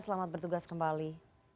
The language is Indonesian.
selamat bertugas kembali